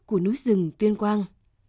của núi rừng tuyên quang